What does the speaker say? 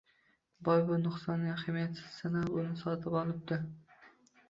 Boy bu nuqsonni ahamiyatsiz sanab, uni sotib olibdi